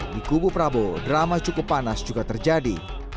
di kubu prabowo drama cukup panas juga terjadi